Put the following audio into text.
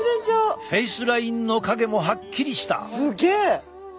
フェイスラインの影もはっきりした。